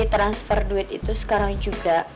transfer duit itu sekarang juga